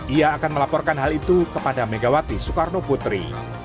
ia akan melaporkan hal itu kepada megawati soekarno putri